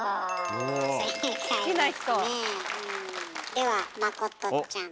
ではまことちゃん。